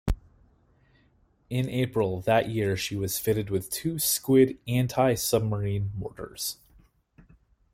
In April that year she was fitted with two Squid anti-submarine mortars.